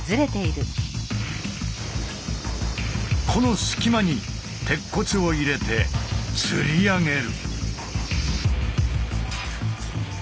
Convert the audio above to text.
この隙間に鉄骨を入れて吊り上げる。